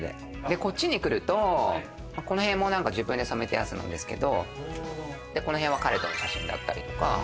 こっちに来るとこの辺も自分で染めたやつなんですけどこの辺は彼との写真だったりとか。